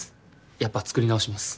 やっぱ作り直します。